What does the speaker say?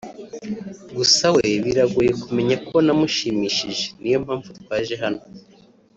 gusa we biragoye kumenya ko namushimishije niyo mpamvu twaje hano